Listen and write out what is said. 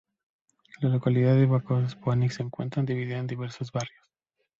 La localidad de Vacoas-Phoenix se encuentra dividida en diversos barrios.